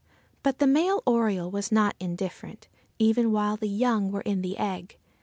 But the male oriole was not indifferent, even while the young were in the egg.